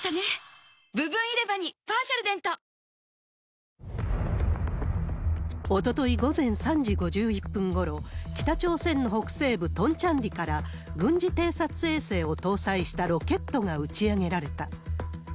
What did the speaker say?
特集は、おととい午前３時５１分ごろ、北朝鮮の北西部トンチャンリから、軍事偵察衛星を搭載したロケットが打ち上げられた。